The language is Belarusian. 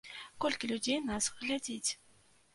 Колькі людзей нас глядзіць?